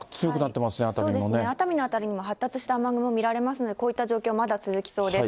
そうですね、熱海の辺りにも発達した雨雲見られますんで、こういった状況まだ続きそうです。